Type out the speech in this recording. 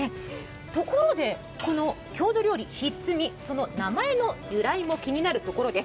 ところで、この郷土料理ひっつみ、名前の由来も気になるところです。